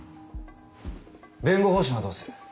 弁護方針はどうする？